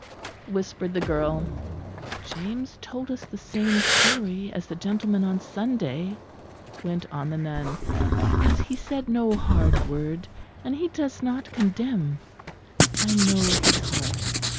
whispered the girl. "James told us the same story as the gentleman on Sunday," went on the nun. "But he said no hard word, and he does not condemn. I know his heart.